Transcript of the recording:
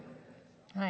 はい。